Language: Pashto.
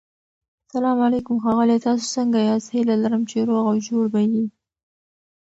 سلام علیکم ښاغلیه تاسو سنګه یاست هيله لرم چی روغ او جوړ به يي